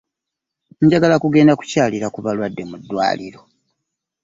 Njagala kugenda kukyalira ku balwadde mu ddwaliro.